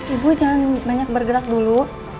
ibu jangan banyak bergerak dulu